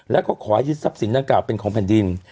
แล้วก็ขอให้ยึดทรัพย์สินดังกล่าวเป็นของแผ่นดิน